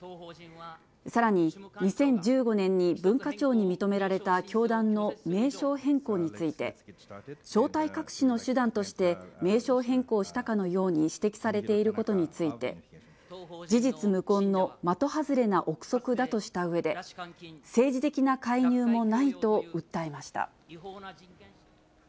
さらに、２０１５年に文化庁に認められた教団の名称変更について、正体隠しの手段として名称変更したかのように指摘されていることについて、事実無根の的外れな臆測だとしたうえで、政治的な介入もないと訴えました。